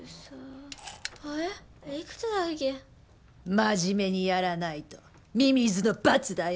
真面目にやらないとミミズの罰だよ。